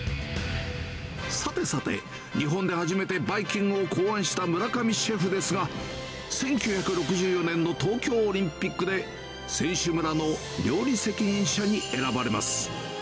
さてさて、日本で初めてバイキングを考案した村上シェフですが、１９６４年の東京オリンピックで、選手村の料理責任者に選ばれます。